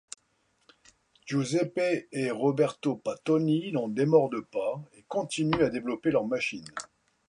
Giuseppe et Roberto Pattoni n'en démordent pas, et continuent à développer leur machine.